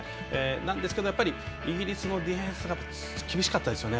なんですけどイギリスのディフェンスが厳しかったですよね。